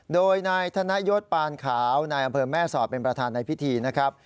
โดยนายธนยศปานขาวนายอำเภอแม่สอดเป็นประธานในพิธีนะครับ